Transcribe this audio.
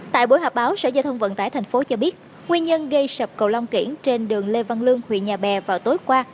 tại buổi họp báo sở giao thông vận tải tp hcm cho biết nguyên nhân gây sập cầu long kiển trên đường lê văn lương huyện nhà bè vào tối qua